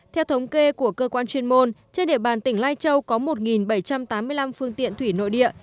theo thống kê của cơ quan chuyên môn trên địa bàn tỉnh lai châu có một bảy trăm tám mươi năm phương tiện thủy nội địa